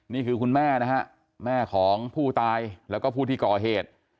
คุณแม่นะฮะแม่ของผู้ตายแล้วก็ผู้ที่ก่อเหตุ